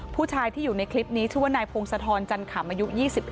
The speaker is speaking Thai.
ผู้ชายที่อยู่ในคลิปนี้ชื่อว่านายพงศธรจันขำอายุ๒๑